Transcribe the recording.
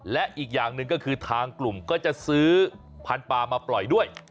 และอีกอย่างหนึ่งก็คือทางกลุ่มก็จะซื้อพันธุ์ปลามาปล่อยด้วย